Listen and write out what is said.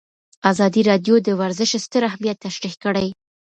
ازادي راډیو د ورزش ستر اهميت تشریح کړی.